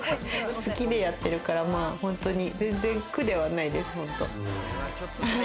好きでやってるから本当に全然苦ではないです。